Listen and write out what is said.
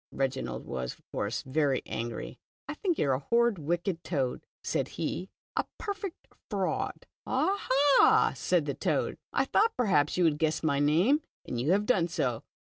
Reginald was, of course, very angry. " I think you are a horrid, wicked toad !" said he, " a perfect fyaud^ "Ah, ha," said the toad, "I thought perhaps you would guess my name, and you have done so.